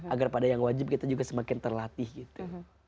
agar pada yang wajib kita juga semakin terlatih gitu